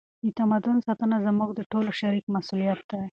د تمدن ساتنه زموږ د ټولو شریک مسؤلیت دی.